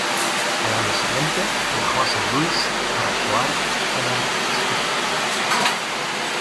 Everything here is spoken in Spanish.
Al año siguiente, viajó a San Luis para actuar en el St.